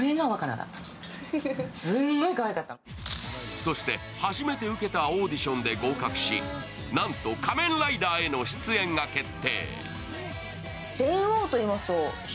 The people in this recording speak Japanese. そして初めて受けたオーディションで合格しなんと「仮面ライダー」への出演が決定。